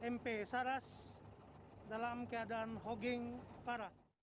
mp saras dalam keadaan hogging parah